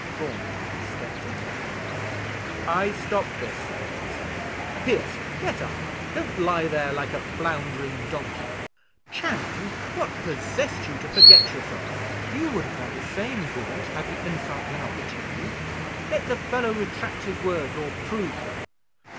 Gaunt had stepped in between them. "I stop this," he said. "Pierce, get up! Don't lie there like a floundering donkey. Channing, what possessed you to forget yourself?" "You would have done the same, Gaunt, had the insult been offered to you. Let the fellow retract his words, or prove them."